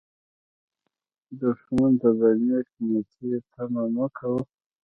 دښمن ته د نېک نیتي تمه مه کوه